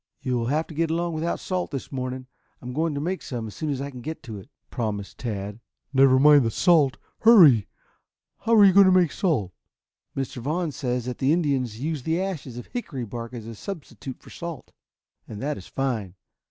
"You will have to get along without salt this morning. I'm going to make some as soon as I can get to it," promised Tad. "Never mind the salt. Hurry! How are you going to make salt?" "Mr. Vaughn says that the Indians use the ashes of hickory bark as a substitute for salt, and that it is fine.